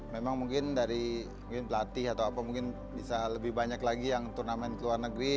memang mungkin dari pelatih atau apa mungkin bisa lebih banyak lagi yang turnamen ke luar negeri